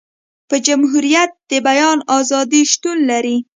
په جمهوريت د بیان ازادي شتون لري.